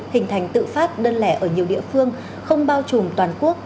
hình thành tự phát đơn lẻ ở nhiều địa phương không bao trùm toàn quốc